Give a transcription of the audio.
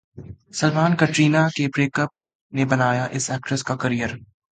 सलमान-कटरीना के ब्रेकअप ने बनाया इस एक्ट्रेस का करियर